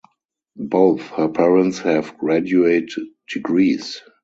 Both of her parents have graduate degrees.